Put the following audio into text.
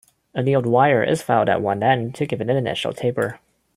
Annealed wire is filed at one end to give it an initial taper.